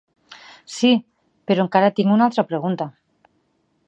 Sí, però encara tinc una altra pregunta.